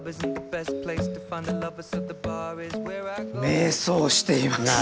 迷走しています！